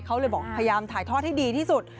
เขาเลยบอกพยายามถ่ายทอดให้ดีที่สุด